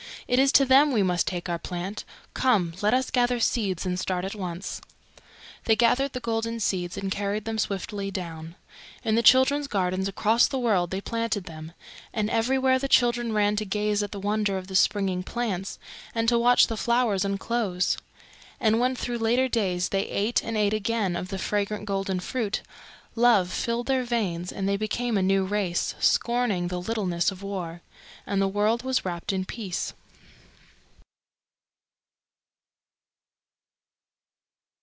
It is to them we must take our plant. Come, let us gather seeds and start at once." They gathered the golden seeds and carried them swiftly down. In the children's gardens across the world they planted them, and everywhere the children ran to gaze at the wonder of the springing plants, and to watch the flowers unclose. And when through later days they ate and ate again of the fragrant golden fruit, Love filled their veins and they became a new race, scorning the littleness of war. And the world was wrapped in peace.